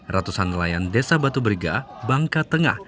ratusan nelayan desa batu beriga bangka tengah